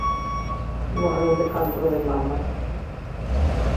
Morreu de cancro de mama.